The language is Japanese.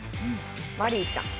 マリーちゃん。